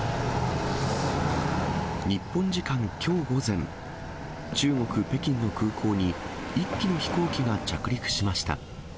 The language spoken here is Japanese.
日本時間きょう午前、中国・北京の空港に、１機の飛行機が着陸しました。